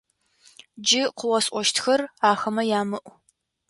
Джы къыосӀощтхэр ахэмэ ямыӀу!